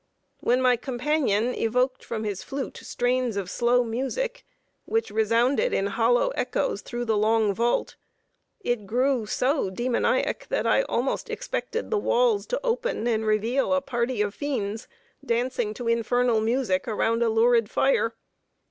When my companion evoked from his flute strains of slow music, which resounded in hollow echoes through the long vault, it grew so demoniac, that I almost expected the walls to open and reveal a party of fiends, dancing to infernal music around a lurid fire.